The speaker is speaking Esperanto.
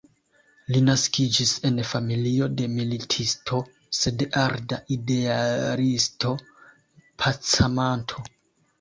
Li naskiĝis en familio de militisto sed arda idealisto-pacamanto.